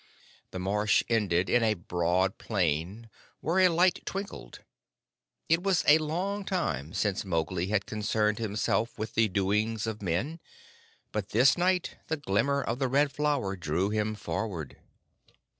The marsh ended in a broad plain where a light twinkled. It was a long time since Mowgli had concerned himself with the doings of men, but this night the glimmer of the Red Flower drew him forward.